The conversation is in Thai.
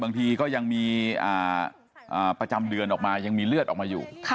บางทีก็ยังมีประจำเดือนออกมายังมีเลือดออกมาอยู่